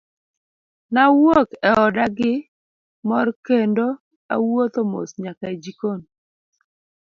Nawuok e oda gi mor kendo awuotho mos nyaka e jikon.